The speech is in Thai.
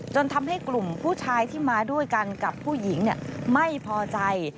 จนทำให้กลุ่มผู้ชายที่มาด้วยกันกับผู้หญิงไม่พอใจ